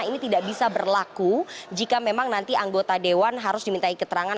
ini tidak bisa berlaku jika memang nanti anggota dewan harus dimintai keterangan